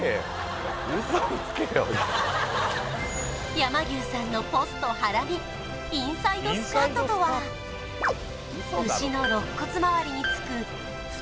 山牛さんのポストハラミインサイドスカートとは牛のろっ骨まわりにつく腹